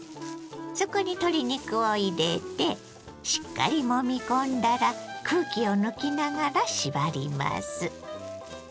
そこに鶏肉を入れてしっかりもみ込んだら空気を抜きながら縛ります。